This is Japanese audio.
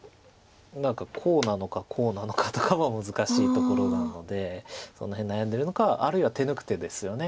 何かこうなのかこうなのかとかは難しいところなのでその辺悩んでるのかあるいは手抜く手ですよね。